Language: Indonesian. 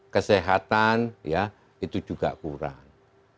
kesehatan ya itu juga kurang